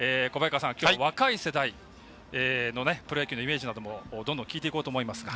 きょうは若い世代のプロ野球のイメージもどんどん聞いていこうと思いますが。